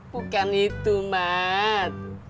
bukan itu mat